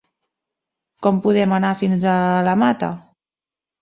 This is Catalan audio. Com podem anar fins a la Mata?